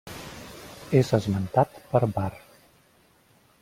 És esmentat per Var.